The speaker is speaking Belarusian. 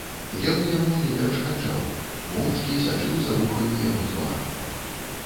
Ён яму не перашкаджаў, моўчкі сачыў за рухамі яго твару.